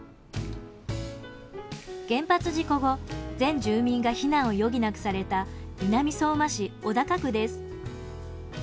原発事故後全住民が避難を余儀なくされた南相馬市小高区です。